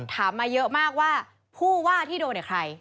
คุณถามมาเยอะมากว่าผู้ว่าที่โดนใคร